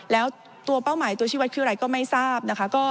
และตัวเป้าหมายตัวชีวิตคืออะไรก็ไม่ทราบ